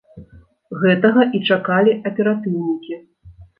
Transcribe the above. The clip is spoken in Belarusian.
Гэтага і чакалі аператыўнікі.